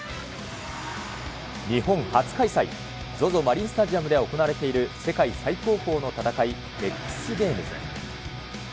日本初開催、ＺＯＺＯマリンスタジアムで行われている世界最高峰の戦い、エックスゲームズ。